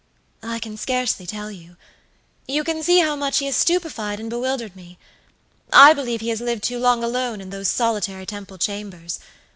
"I can scarcely tell you. You can see how much he has stupefied and bewildered me. I believe he has lived too long alone in those solitary Temple chambers.